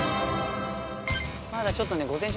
まだちょっとね午前中。